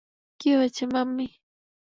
কি হয়েছে মাম্মি?